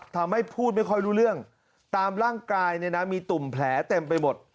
ทำให้พูดไม่ค่อยรู้เรื่องตามร่างกายเนี่ยนะมีตุ่มแผลเต็มไปหมด